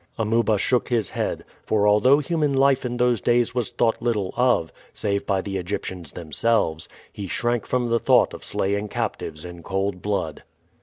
Amuba shook his head, for although human life in those days was thought little of, save by the Egyptians themselves, he shrank from the thought of slaying captives in cold blood.